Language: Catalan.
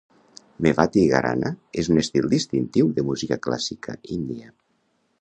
Mewati Gharana és un estil distintiu de música clàssica índia.